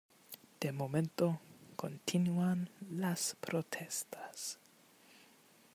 De momento, continúan las protestas.